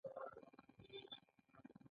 هغه په دې پیسو کاري ځواک او تخم پېري